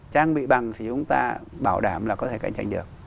trang bị bằng thì chúng ta bảo đảm là có thể cạnh tranh được